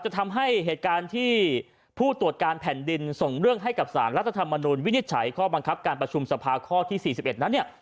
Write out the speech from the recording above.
จะทำให้เหตุการณ์ที่ผู้ตรวจการแผ่นดินส่งเรื่องให้กับสารรัฐธรรมนุนวินิจฉัยข้อบังคับการประชุมสภาข้อที่๔๑นั้นเนี่ย